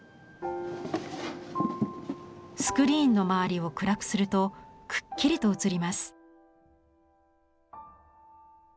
スクリーンの周りを暗くするとクッキリと映ります。